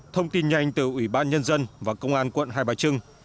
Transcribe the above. thông tin nhanh từ ủy ban nhân dân và công an quận hai bà trưng